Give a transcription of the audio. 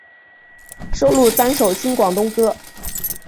收录三首新广东歌。